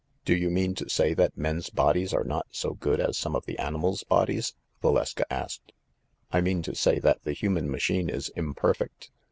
"Do you mean to say that men's bodies are not so good as some of the animals' bodies ?" Valeska asked. "I mean to say that the human machine is imperfect.